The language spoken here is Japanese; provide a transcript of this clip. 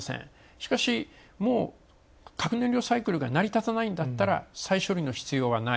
しかし、もう核燃料サイクルが成り立たないんだったら再処理の必要がない。